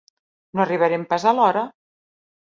No arribarem pas a l'hora.